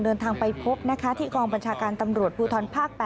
เดินทางไปพบนะคะที่กองบัญชาการตำรวจภูทรภาค๘